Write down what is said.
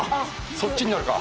そっちになるか。